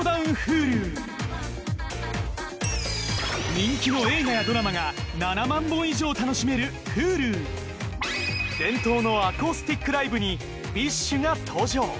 人気の映画やドラマが７万本以上楽しめるＨｕｌｕ伝統のアコースティックライブにＢｉＳＨが登場